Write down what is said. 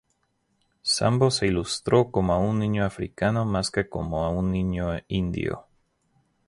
Sambo se ilustró como a un niño africano más que como un niño indio.